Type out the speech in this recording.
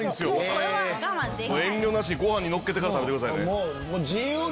遠慮なしにご飯にのっけて食べてください。